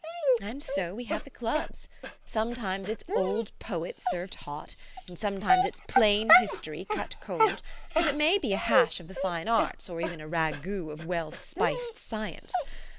" And so we have the clubs. Sometimes it's old poets served hot, and sometimes it's plain history cut cold, and it may be a hash of the fine arts, or even a ragout of well spiced science.